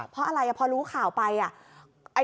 เพราะอะไรพอรู้ข่าวไปอ่ะ